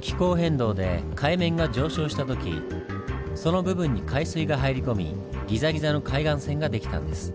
気候変動で海面が上昇した時その部分に海水が入り込みギザギザの海岸線ができたんです。